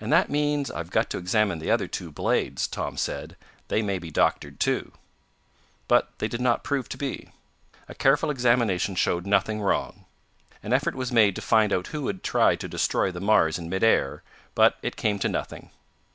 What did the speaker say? "And that means I've got to examine the other two blades," Tom said. "They may be doctored too." But they did not prove to be. A careful examination showed nothing wrong. An effort was made to find out who had tried to destroy the Mars in midair, but it came to nothing.